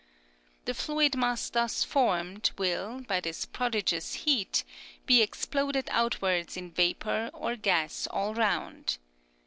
The fluid mass thus formed will, by this prodigious heat, be exploded outwards in vapor or gas all round.